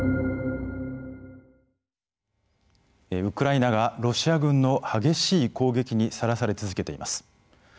ウクライナがロシア軍の激しい攻撃にさらされ続けています。